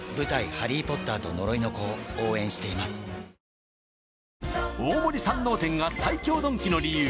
続く大森山王店が最強ドンキの理由